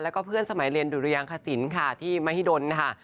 แล้วก็เพื่อนสมัยเรียนดุรยางคศิลป์ค่ะที่มหิดลนะคะ